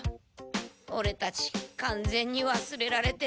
オレたちかんぜんにわすれられてねえ？